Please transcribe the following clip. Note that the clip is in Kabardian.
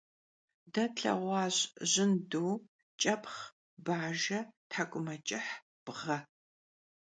De tlheğuaş jındu, ç'epxh, bajje, thek'umeç'ıh, bğe.